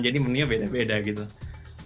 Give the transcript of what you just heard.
jadi menurutnya beda beda gitu